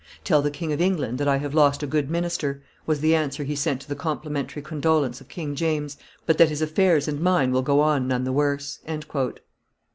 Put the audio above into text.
"Tell the King of England that I have lost a good minister," was the answer he sent to the complimentary condolence of King James, "but that his affairs and mine will go on none the worse."